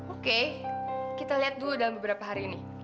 oke kita lihat dulu dalam beberapa hari ini